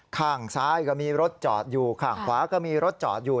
ข้างซ้ายก็มีรถจอดอยู่ข้างขวาก็มีรถจอดอยู่